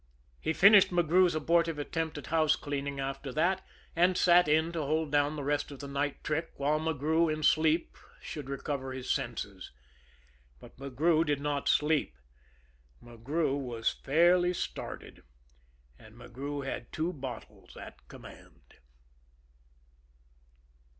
He finished McGrew's abortive attempt at housecleaning after that, and sat in to hold down the rest of the night trick, while McGrew in sleep should recover his senses. But McGrew did not sleep. McGrew was fairly started and McGrew had two bottles at command.